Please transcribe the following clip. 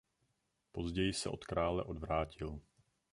Později se od krále odvrátil.